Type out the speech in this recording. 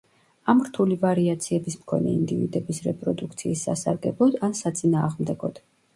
ამ რთული ვარიაციების მქონე ინდივიდების რეპროდუქციის სასარგებლოდ ან საწინააღმდეგოდ.